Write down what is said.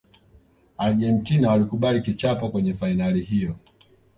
argentina walikubali kichapo kwenye fainali hiyo